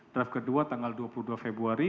draft kedua tanggal dua puluh dua februari